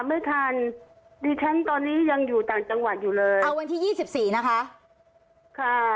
ไม่ทันดิฉันตอนนี้ยังอยู่ต่างจังหวัดอยู่เลยเอาวันที่ยี่สิบสี่นะคะค่ะ